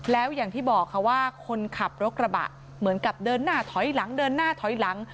แล้วอย่างที่บอกค่ะว่าคนขับรถกระบะเหมือนกับเดินหน้าถอยหลังเดินหน้าถอยหลัง